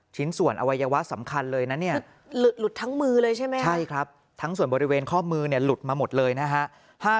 ทั้งทั้งส่วนบริเวณข้อมืออรุดมาหมดเลยนะคะ